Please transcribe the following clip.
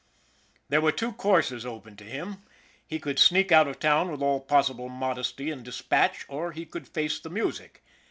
There were two courses open to him. He could sneak out of town with all possible modesty and dis patch, or he could face the music.